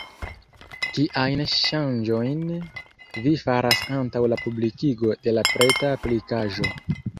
Kiajn ŝanĝojn vi faras antaŭ la publikigo de la preta aplikaĵo?